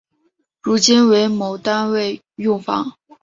如今为某单位用房。